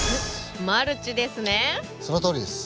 マルチですね？